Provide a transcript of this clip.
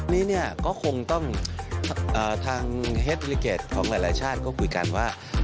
นี่เนี่ยก็คงต้องทางเฮดวิลิเกตของหลายชาติก็คุยกันว่า